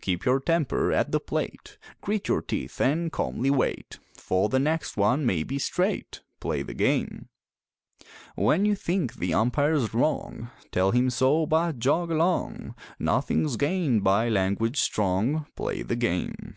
Keep your temper at the plate, Grit your teeth and calmly wait, For the next one may be straight Play the game! When you think the umpire's wrong, Tell him so, but jog along; Nothing's gained by language strong Play the game!